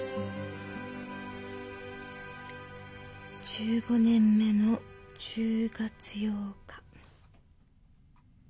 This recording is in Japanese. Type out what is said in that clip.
１５年目の１０月８日。